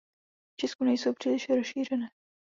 V Česku nejsou příliš rozšířené.